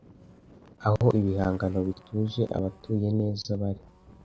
Aho ibihangano bituje abatuye neza bari,